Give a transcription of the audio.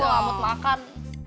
dah gue amat makan